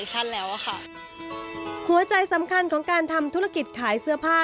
หัวใจสำคัญของการทำธุรกิจขายเสื้อผ้า